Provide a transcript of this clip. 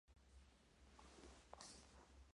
Es publicada por Science Service.